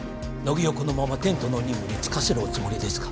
木をこのままテントの任務に就かせるおつもりですか？